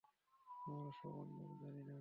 আমরা সবার নাম জানি না।